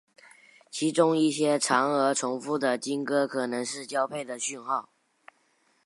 其中一些长而重复的鲸歌可能是交配的讯号。